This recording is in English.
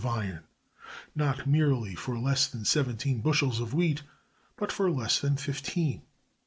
of iron, not merely for less than seventeen bushels of wheat, but for less than fifteen.